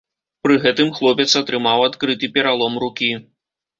Пры гэтым хлопец атрымаў адкрыты пералом рукі.